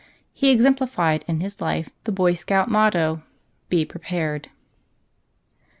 He exemplified in his life the Boy Scout motto, "Be Prepared."